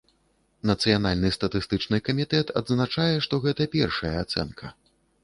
Нацыянальны статыстычны камітэт адзначае, што гэта першая ацэнка.